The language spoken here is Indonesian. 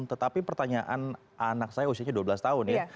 tetapi pertanyaan anak saya usianya dua belas tahun ya